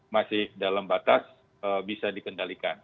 masih dalam batas bisa dikendalikan